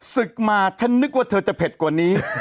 ศึกมาฉันนึกว่าเธอจะเผ็ดกว่านี้